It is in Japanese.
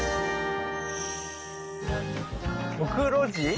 ムクロジ。